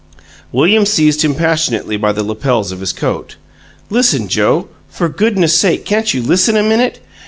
William seized him passionately by the lapels of his coat. "Listen, Joe. For goodness' sake can't you listen a MINUTE?